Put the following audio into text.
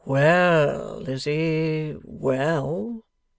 'Well, Lizzie, well!